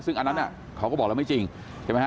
ซึ่งอันนั้นน่ะเขาบอกมันไม่จริงถูกมั้ยค่ะ